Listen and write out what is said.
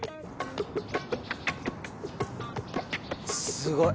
すごい。